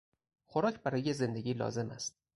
خوراک برای زندگی لازم است.